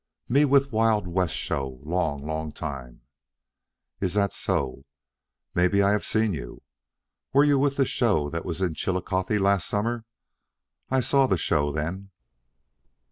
"Me with Wild West show long, long time." "Is that so. Maybe I have seen you. Were you with the show that was in Chillicothe last summer? I saw the show then."